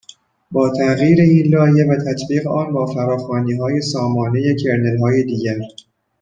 با تغییر این لایه و تطبیق آن با فراخوانیهای سامانهٔ کرنلهای دیگر